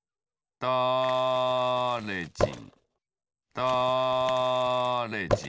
だれじん。